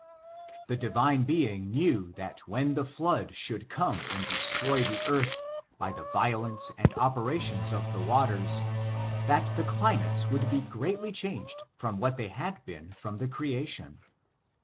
The Divine Being knew that when the flood should 1 < FOUTDNEtf, Olf THK NEGRO RACE. 77 oome and destroy the earth, by the violence and ope rations of the waters, that the climates would be greatly changed from what they had been from the creation.